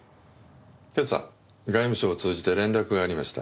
今朝外務省を通じて連絡がありました。